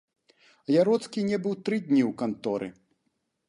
Яроцкі не быў тры дні ў канторы.